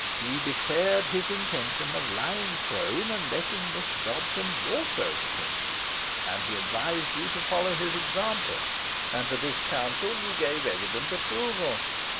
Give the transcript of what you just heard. He declared his intention of lying prone and letting Miss Dobson 'walk over' him; and he advised you to follow his example; and to this counsel you gave evident approval.